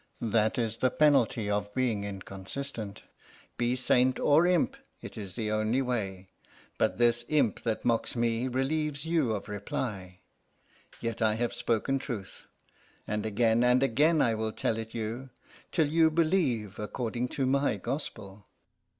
That is the penalty of being inconsistent. Be saint or imp; it is the only way. But this imp that mocks me relieves you of reply. Yet I have spoken truth, and again and again I will tell it you, till you believe according to my gospel."